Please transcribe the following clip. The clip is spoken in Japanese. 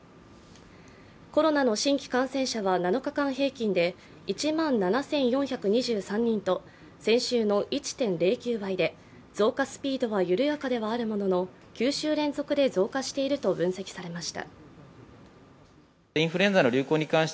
コロナの新規感染者は７日間平均で１万７４２３人と、先週の１．０９倍で増加スピードは緩やかではあるものの９週連続で増加していると分析されました。